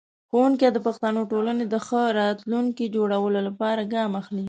ښوونکی د پښتنو ټولنې کې د ښه راتلونکي جوړولو لپاره ګام اخلي.